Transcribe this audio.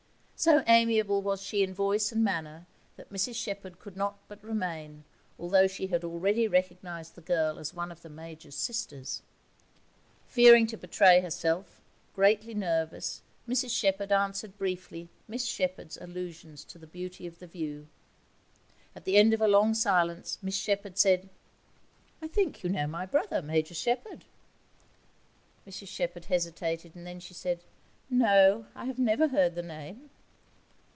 So amiable was she in voice and manner that Mrs Shepherd could not but remain, although she had already recognized the girl as one of the Major's sisters. Fearing to betray herself, greatly nervous, Mrs Shepherd answered briefly Miss Shepherd's allusions to the beauty of the view. At the end of a long silence Miss Shepherd said 'I think you know my brother, Major Shepherd.' Mrs Shepherd hesitated, and then she said: 'No. I have never heard the name.'